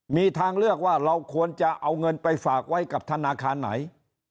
มีทางเลือกว่าเราควรจะเอาเงินไปฝากไว้กับธนาคารไหน